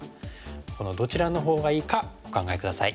このどちらのほうがいいかお考え下さい。